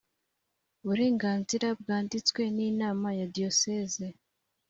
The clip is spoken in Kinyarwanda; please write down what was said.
uburenganzira bwanditswe n inama ya diyoseze